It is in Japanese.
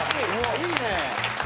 いいね！